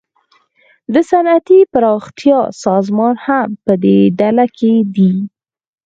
د صنعتي پراختیا سازمان هم پدې ډله کې دی